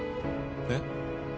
えっ？